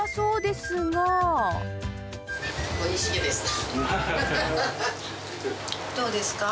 おいしいです。